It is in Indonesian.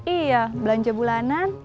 iya belanja bulanan